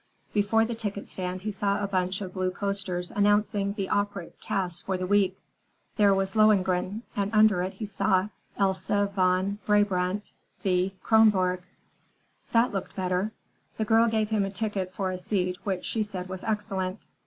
Before the ticket stand he saw a bunch of blue posters announcing the opera casts for the week. There was "Lohengrin," and under it he saw:— Elsa von Brabant .... Thea Kronborg. That looked better. The girl gave him a ticket for a seat which she said was excellent.